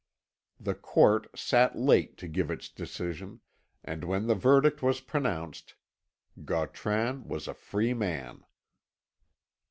The court sat late to give its decision, and when the verdict was pronounced, Gautran was a free man.